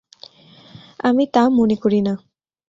আমি তা মনে করি না।